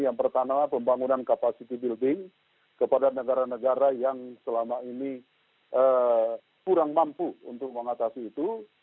yang pertama pembangunan capacity building kepada negara negara yang selama ini kurang mampu untuk mengatasi itu